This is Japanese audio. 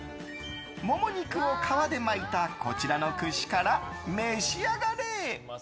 モモ肉を皮で巻いたこちらの串から召し上がれ。